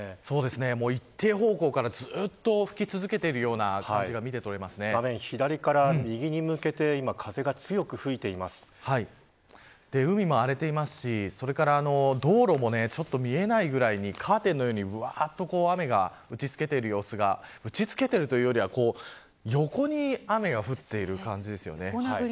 一定方向からずっと吹き続けているような感じが画面左から右に向けて海も荒れていますしそれから道路も見えないくらいにカーテンのようにぶわっと雨が打ちつけている打ちつけているというよりは横に雨が降っている感じです。